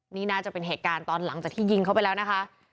นี่น่าจะเป็นเหตุการณ์ตอนหลังจากที่ยิงเขาไปแล้วนะคะ